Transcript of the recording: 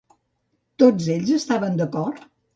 Tots d'ells estaven d'acord?